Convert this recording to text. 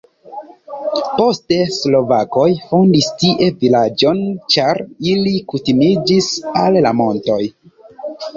Poste slovakoj fondis tie vilaĝon, ĉar ili kutimiĝis al la montoj.